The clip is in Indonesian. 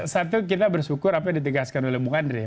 satu kita bersyukur apa yang ditegaskan oleh bung andre